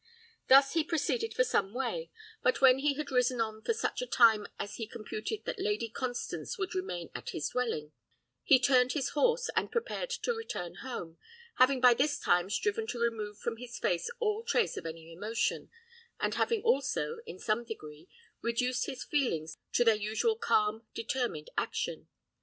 Thus he proceeded for some way; but when he had ridden on for such a time as he computed that Lady Constance would remain at his dwelling, he turned his horse, and prepared to return home, having by his time striven to remove from his face all trace of any emotion, and having also, in some degree, reduced his feelings to their usual calm, determined action.